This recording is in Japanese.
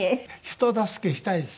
人助けしたいですね。